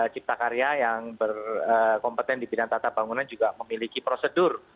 cipta karya yang berkompeten di bidang tata bangunan juga memiliki prosedur